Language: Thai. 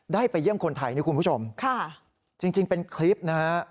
ไปเยี่ยมคนไทยนี่คุณผู้ชมค่ะจริงเป็นคลิปนะฮะ